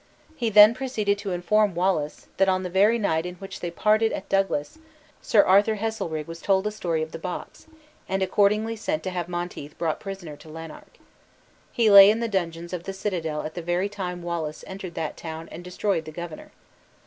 He then proceeded to inform Wallace, that on the very night in which they parted at Douglas, Sir Arthur Heselrigge was told the story of the box: and accordingly sent to have Monteith brought prisoner to Lanark. He lay in the dungeons of its citadel at the very time Wallace entered that town and destroyed the governor.